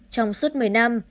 trong suốt một mươi năm